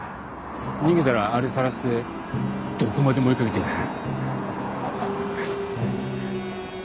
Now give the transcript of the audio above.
逃げたらあれ晒してどこまでも追いかけてやるぞ。